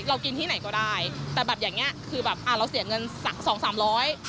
กินที่ไหนก็ได้แต่แบบอย่างเงี้ยคือแบบอ่าเราเสียเงินสองสามร้อย